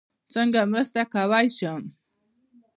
څنګه مرسته کوی شم؟